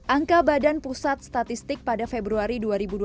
angka badan pusat statistik pada februari dua ribu dua puluh